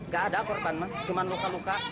gak ada korban cuma luka luka